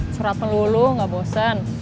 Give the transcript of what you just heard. surat melulu gak bosen